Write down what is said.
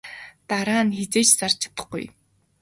Дараа нь хэзээ ч зарж чадахгүй.